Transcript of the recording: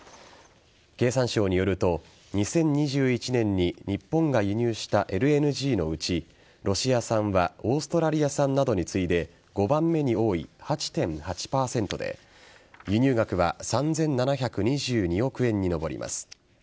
経産省によると、２０２１年に日本が輸入したＬＮＧのうちロシア産はオーストラリア産などに次いで５番目に多い８．８％で輸入額は３７２２億円に上ります。